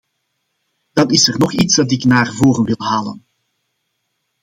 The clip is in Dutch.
Dan is er nog iets dat ik naar voren wil halen.